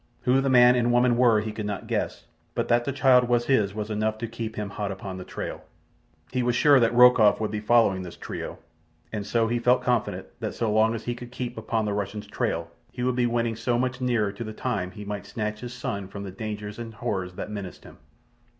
Who the man and woman were he could not guess, but that the child was his was enough to keep him hot upon the trail. He was sure that Rokoff would be following this trio, and so he felt confident that so long as he could keep upon the Russian's trail he would be winning so much nearer to the time he might snatch his son from the dangers and horrors that menaced him.